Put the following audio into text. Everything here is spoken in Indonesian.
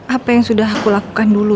apa yang sudah aku lakukan dulu